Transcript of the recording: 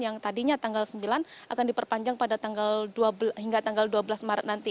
yang tadinya tanggal sembilan akan diperpanjang pada tanggal dua belas maret nanti